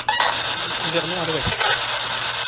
Gouvernons à l’ouest!